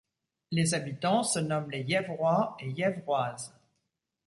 Les habitants se nomment les Hièvrois et Hièvroises.